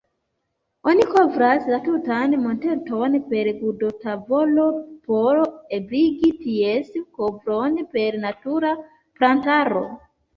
Oni kovras la tutan monteton per grundotavolo por ebligi ties kovron per natura plantaro.